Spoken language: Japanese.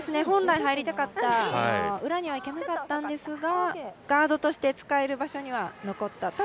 本来入りたかった裏には行けなかったんですが、ガードとして使える場所には残った。